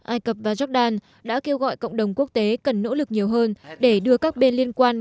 ai cập và jordan đã kêu gọi cộng đồng quốc tế cần nỗ lực nhiều hơn để đưa các bên liên quan